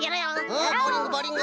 うんボウリングボウリング。